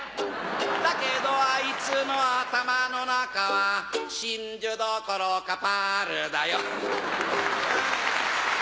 だけどあいつの頭の中は真珠どころかパールだよ